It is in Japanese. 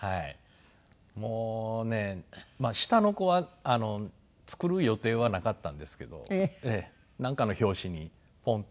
もうね下の子は作る予定はなかったんですけどなんかの拍子にポンと。